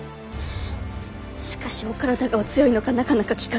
しかしお体がお強いのかなかなか効かず。